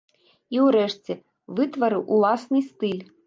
І, урэшце, вытварыў уласны стыль.